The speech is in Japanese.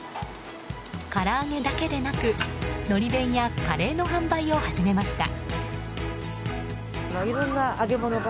から揚げだけでなくのり弁やカレーの販売を始めました。